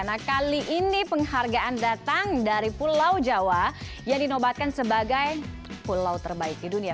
nah kali ini penghargaan datang dari pulau jawa yang dinobatkan sebagai pulau terbaik di dunia